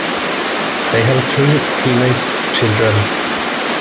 They have three teenage children.